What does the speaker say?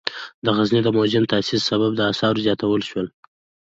د غزني د موزیم د تاسیس سبب د آثارو زیاتیدل شول.